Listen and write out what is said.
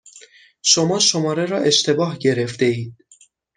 شما شماره را اشتباه گرفتهاید.